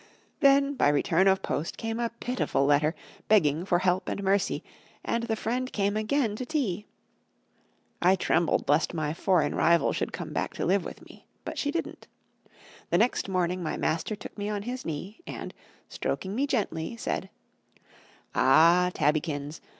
Then by return of post came a pitiful letter, begging for help and mercy, and the friend came again to tea. I trembled lest my foreign rival should come back to live with me. But she didn't. The next morning my master took me on his knee, and, stroking me gently, said "Ah, Tabbykins!